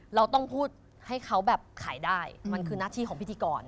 เราต้องพูดให้เขาแบบขายได้มันคือหน้าที่ของพิธีกร